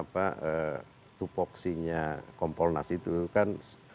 provoksinya komponas itu kan